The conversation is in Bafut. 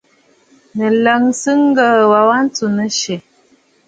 Nɨ̀ lɔꞌɔsə ŋgɔ̀ꞌɔ̀ ya wa ntsù nɨ̀syɛ̀!